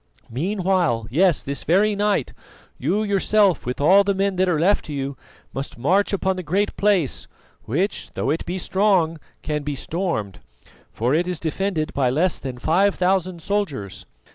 Meanwhile, yes, this very night, you yourself with all the men that are left to you must march upon the Great Place, which, though it be strong, can be stormed, for it is defended by less than five thousand soldiers.